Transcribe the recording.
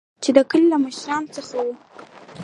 چې د کلي له مشران څخه وو.